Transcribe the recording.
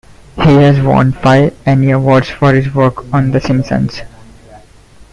He has won five Annie Awards for his work on "The Simpsons".